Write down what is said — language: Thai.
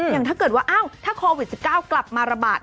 อย่างถ้าเกิดว่าถ้าโควิด๑๙กลับมาระบาด